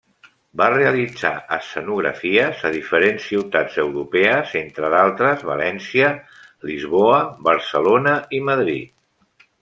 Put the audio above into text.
Va realitzar escenografies a diferents ciutats europees, entre d'altres València, Lisboa, Barcelona i Madrid.